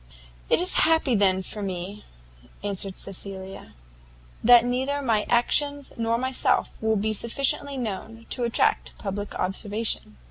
"It is happy then, for me," answered Cecilia, "that neither my actions nor myself will be sufficiently known to attract public observation."